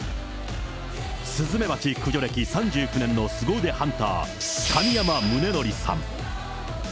スズメバチ駆除歴３９年のすご腕ハンター、神山宗教さん。